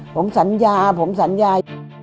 ผมสัญญาผมสัญญา